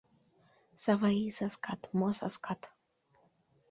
Саварий саскат — мо саскат?